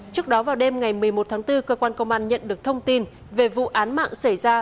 trước đó vào đêm ngày một mươi một tháng bốn cơ quan công an nhận được thông tin về vụ án mạng xảy ra